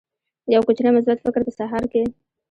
یو کوچنی مثبت فکر په سهار کې